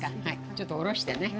ちょっと下ろしてね。